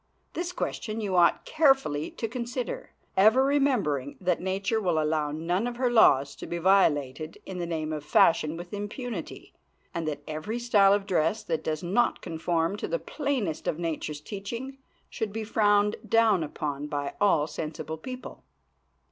This question you ought carefully to consider, ever remembering that nature will allow none of her laws to be violated in the name of fashion with impunity, and that every style of dress that does not conform to the plainest of nature's teaching should be frowned down upon by all sensible people.